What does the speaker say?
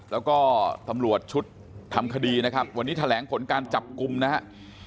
แล้วก็ตำรวจชุดทำคดีนะครับวันนี้แถลงผลการจับกลุ่มนะฮะ